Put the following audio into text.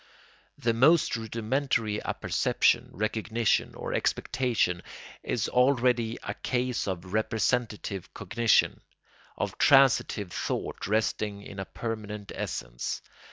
The most rudimentary apperception, recognition, or expectation, is already a case of representative cognition, of transitive thought resting in a permanent essence.